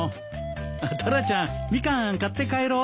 タラちゃんミカン買って帰ろう。